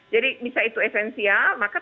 jadi misalnya itu esensial maka